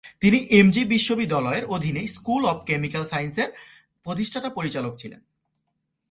তিনি M G বিশ্ববিদ্যালয়ের অধীনে স্কুল অফ কেমিক্যাল সায়েন্সেসের প্রতিষ্ঠাতা পরিচালক ছিলেন।